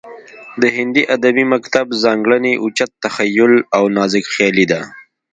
د هندي ادبي مکتب ځانګړنې اوچت تخیل او نازکخیالي ده